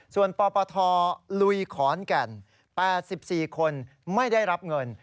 ส่วนปปทลุยขอนแก่น๘๔คนไม่ได้รับเงิน